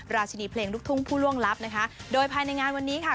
ราชินีเพลงลูกทุ่งผู้ล่วงลับนะคะโดยภายในงานวันนี้ค่ะ